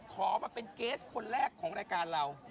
ขอมาเป็นเกสคนแรกของรายการเรา